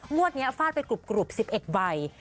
งวดนี้ฟาดไปกรุบ๑๑ใบ